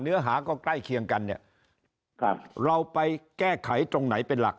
เนื้อหาก็ใกล้เคียงกันเนี่ยครับเราไปแก้ไขตรงไหนเป็นหลัก